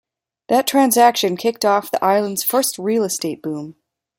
That transaction kicked off the island's first real estate boom.